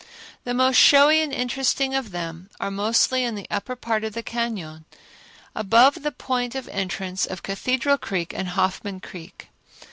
The most showy and interesting of them are mostly in the upper part of the cañon, above the point of entrance of Cathedral Creek and Hoffman Creek.